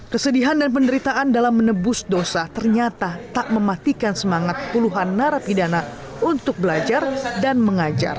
kesedihan dan penderitaan dalam menebus dosa ternyata tak mematikan semangat puluhan narapidana untuk belajar dan mengajar